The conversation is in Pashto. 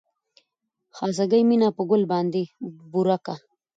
خاصګي مينه په ګل باندې بورا کا